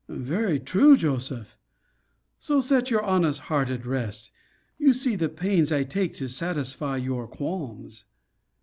Very true, Joseph! So set your honest heart at rest You see the pains I take to satisfy your qualms.